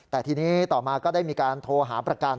แต่ทีนี้ต่อมาก็ได้มีการโทรหาประกัน